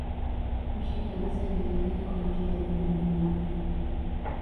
Mwisho kabisa ni malengo ya mchezaji mmoja mmoja